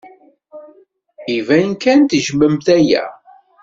Iban kan tejjmem aya.